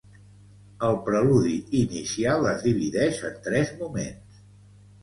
El preludi inicial es divideix en tres moments.